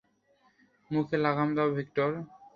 মুখে লাগাম দাও, ভিক্টর।